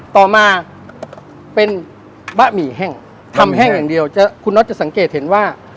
ต่อมาเป็นบะหมี่แห้งทำแห้งอย่างเดียวคุณน็อตจะสังเกตเห็นว่า